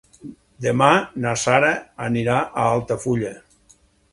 Demà na Sara anirà a Altafulla.